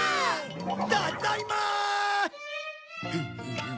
たっだいま！